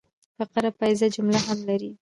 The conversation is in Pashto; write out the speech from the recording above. فقره پاییزه جمله هم لري.